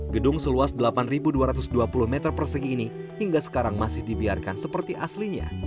gedung seluas delapan dua ratus dua puluh meter persegi ini hingga sekarang masih dibiarkan seperti aslinya